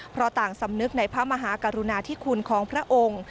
เพราะต่างสำนึกในพระมหากรุณาธิคุณของพระองค์